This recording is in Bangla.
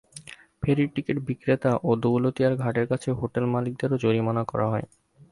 ফেরির টিকিট বিক্রেতা ও দৌলতদিয়ার ঘাটের কাছের হোটেল মালিকদেরও জরিমানা করা হয়।